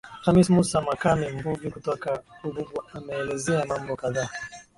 Khamis Mussa Makame Mvuvi kutoka Bububu ameelezea mambo kadhaa